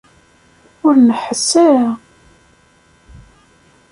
Ur neḥḥes ara!